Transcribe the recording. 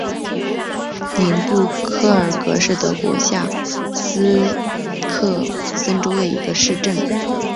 宁布尔格是德国下萨克森州的一个市镇。